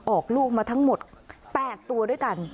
ออกลูกมาทั้งหมด๘ตัวด้วยกัน